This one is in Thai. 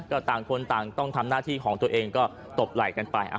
ก็ต่างคนต่างต้องทำหน้าที่ของตัวเองก็ตบไหล่กันไป